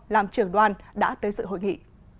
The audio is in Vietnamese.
làm trưởng đoàn đã tới sự hội nghị